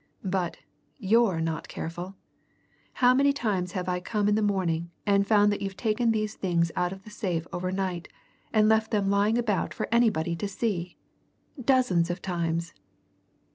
But you're not careful! How many times have I come in the morning, and found that you've taken these things out of the safe over night and left them lying about for anybody to see? Dozens of times!"